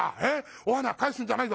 お花帰すんじゃないぞ。